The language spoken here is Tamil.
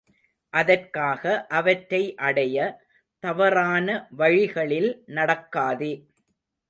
அதற்காக அவற்றை அடைய தவறான வழிகளில் நடக்காதே.